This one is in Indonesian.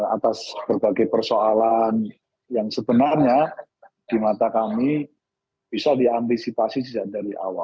atas berbagai persoalan yang sebenarnya di mata kami bisa diantisipasi sejak dari awal